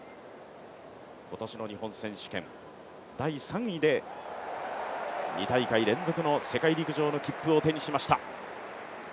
今年の日本選手権、第３位で２大会連続で世界陸上の切符を手にしました。